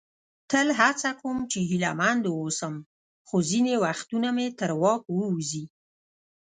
تل هڅه کوم چې هیله مند واوسم، خو ځینې وختونه مې تر واک ووزي.